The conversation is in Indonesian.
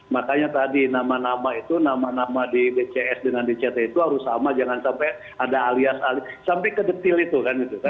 makanya tadi nama nama itu nama nama di bcs dengan dct itu harus sama jangan sampai ada alias alias sampai ke detail itu kan